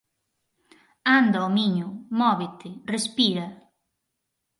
Anda, homiño, móvete, respira.